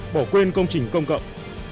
bỏ quên công trình công cộng